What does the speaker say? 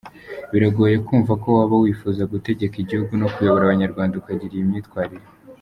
Biragoye kwumva ko waba wifuza gutegeka igihugu no kuyobora abanyarwanda ukagira iyi myitwalire.